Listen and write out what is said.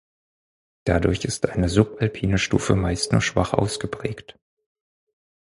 Dadurch ist eine subalpine Stufe meist nur schwach ausgeprägt.